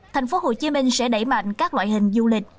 thành phố hồ chí minh sẽ đẩy mạnh các loại hình du lịch